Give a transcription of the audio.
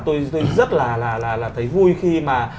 tôi rất là thấy vui khi mà